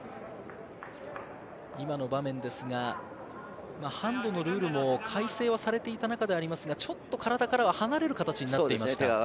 今の場面ですがハンドのルールも改正はされていた中ではありますが、ちょっと体からは離れる形になっていました。